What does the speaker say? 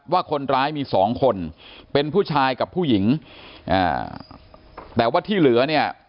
ว่าคนร้ายมีสองคนเป็นผู้ชายกับผู้หญิงอ่าแต่ว่าที่เหลือเนี่ย